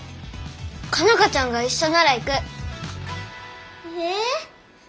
佳奈花ちゃんが一緒なら行く。え！？